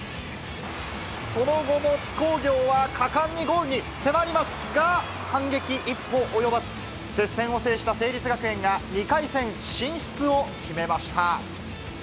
その後も津工業は、果敢にゴールに迫ります、が、反撃一歩及ばず、接戦を制した成立学園が２回戦進出を決めました。